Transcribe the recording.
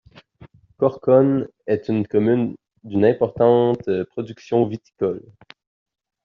Corconne est une commune d'une importante production viticole.